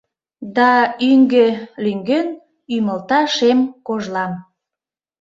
Да ӱҥгӧ, лӱҥген, ӱмылта шем кожлам.